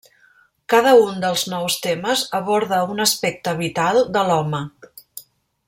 Cada un dels nou temes aborda un aspecte vital de l'home.